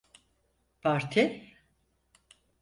Parti?